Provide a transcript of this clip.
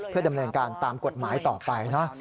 เพื่อดำเนินการตามกฎหมายต่อไปนะ